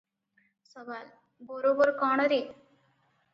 ସୱାଲ - ବରୋବର କଣ ରେ?